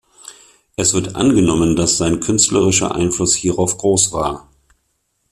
Es wird angenommen, dass sein künstlerischer Einfluss hierauf gross war.